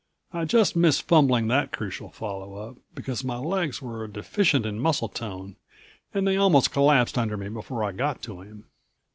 I just missed fumbling that crucial follow up, because my legs were deficient in muscle tone and they almost collapsed under me before I got to him.